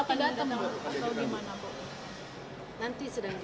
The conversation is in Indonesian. pak itu akan datang atau di mana pak